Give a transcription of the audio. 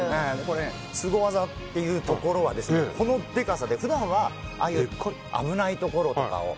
スゴ技っていうところはこのでかさで普段は、危ないところとかを。